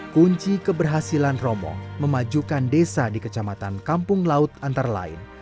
kunci keberhasilan romo memajukan desa di kecamatan kampung laut antara lain